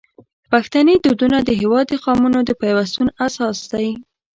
پښتني دودونه د هیواد د قومونو د پیوستون اساس دی.